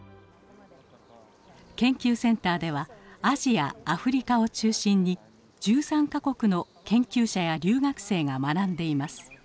研究センターではアジアアフリカを中心に１３か国の研究者や留学生が学んでいます。